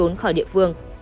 bỏ trốn khỏi địa phương